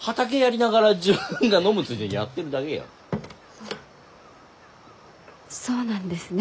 あそうなんですね。